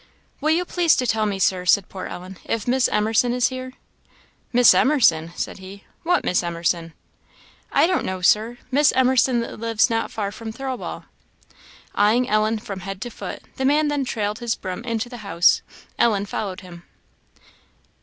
"Will you please to tell me, Sir," said poor Ellen, "if Miss Emerson is here?" "Miss Emerson?" said he "what Miss Emerson?" "I don't know, Sir Miss Emerson that lives not far from Thirlwall." Eyeing Ellen from head to foot, the man then trailed his broom into the house. Ellen followed him.